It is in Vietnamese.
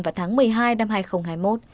vào tháng một mươi hai năm hai nghìn hai mươi một